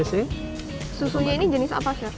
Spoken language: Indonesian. susunya ini jenis apa chef